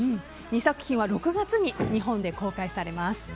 ２作品は６月に日本で公開されます。